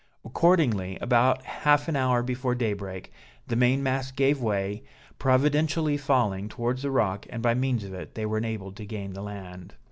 Accordingly, about half an hour before day break, the main mast gave way, providentially falling towards the rock, and by means of it they were enabled to gain the land.